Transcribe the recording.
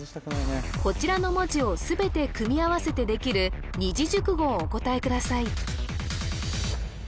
こちらの文字を全て組み合わせてできる二字熟語をお答えください